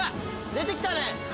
出てきたね。